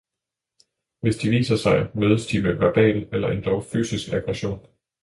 Hvis de viser sig, mødes de med verbal eller endog fysisk aggression.